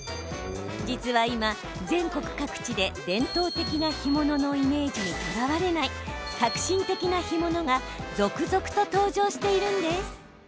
実は今、全国各地で伝統的な干物のイメージにとらわれない革新的な干物が続々と登場しているんです。